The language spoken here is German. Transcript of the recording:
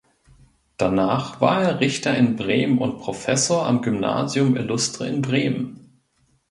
Danach war er Richter in Bremen und Professor am Gymnasium Illustre in Bremen.